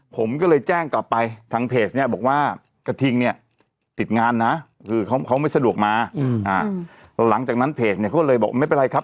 ผมก็เลยแจ้งกลับไปทางเพจเนี่ยบอกว่ากระทิงเนี่ยติดงานนะคือเขาไม่สะดวกมาหลังจากนั้นเพจเนี่ยเขาก็เลยบอกไม่เป็นไรครับ